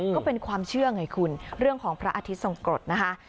ก็เป็นความเชื่อไงคุณเรื่องของพระอาทิตย์ทรงกรดนะคะ